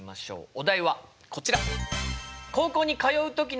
お題はこちら！